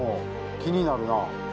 気になるな。